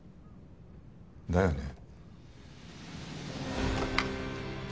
だよね。